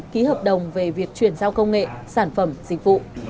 ký hợp đồng về việc chuyển giao công nghệ sản phẩm dịch vụ